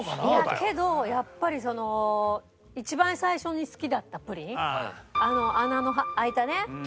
いやけどやっぱり一番最初に好きだったプリンあの穴の開いたね。